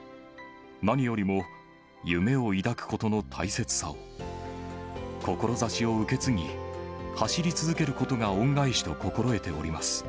何よりも夢を抱くことの大切さを、志を受け継ぎ、走り続けることが恩返しと心得ております。